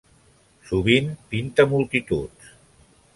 Sovint pinta multituds.